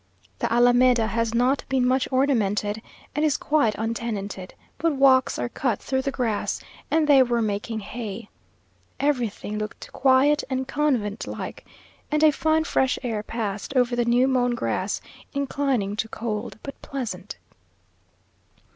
The Alameda has not been much ornamented, and is quite untenanted; but walks are cut through the grass, and they were making hay. Everything looked quiet and convent like, and a fine fresh air passed over the new mown grass, inclining to cold, but pleasant.